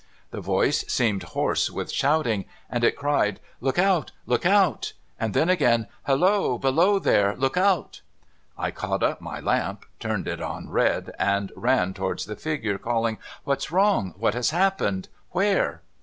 The voice seemed hoarse with shouting, and it cried, " Look out ! Look out !" And then again, " Halloa ! Below there ! Look out 1 " I caught up my lamp, turned it on red, and ran towards the figure, calling, " W'hat's wrong ? AVhat has happened ? Where